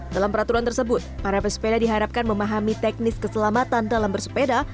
dalam peraturan tersebut para pesepeda diharapkan memahami teknis keselamatan dalam bersepeda